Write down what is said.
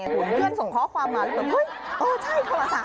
เหมือนเพื่อนส่งข้อความมาแล้วแบบเฮ้ยเออใช่เขามาสั่ง